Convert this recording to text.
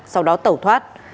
sau đó tẩu thoát